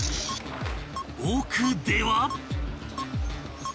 ［奥では］